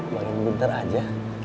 makin binter aja